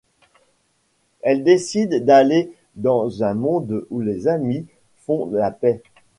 Elle décide d'aller dans un monde où les amis font la paix.